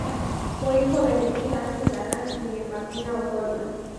Fue hijo de Jesús Sánchez Galán y de Martina Osorio.